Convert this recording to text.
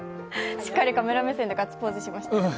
しっかりカメラ目線でガッツポーズしました。